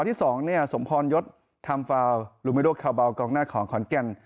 ทำฟาวลุมิโรคคาวเบากองหน้าของขอนแก่น